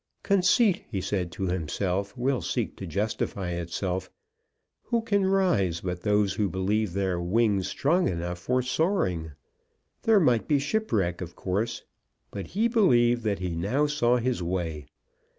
Conceit, he said to himself, will seek to justify itself. Who can rise but those who believe their wings strong enough for soaring? There might be shipwreck of course, but he believed that he now saw his way.